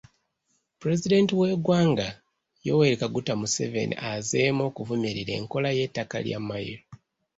Pulezidenti w’eggwanga, Yoweri Kaguta Museveni azzeemu okuvumirira enkola y’ettaka lya mayiro.